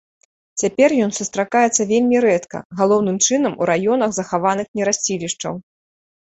Цяпер ён сустракаецца вельмі рэдка, галоўным чынам у раёнах захаваных нерасцілішчаў.